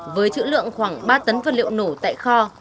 với chữ lượng khoảng ba tấn vật liệu nổ tại kho